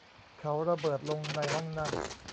เขาระเบิดลงในห้องนั่น